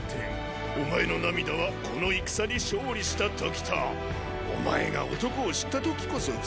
お前の涙はこの戦に勝利した時とお前が男を知った時こそふさわしい。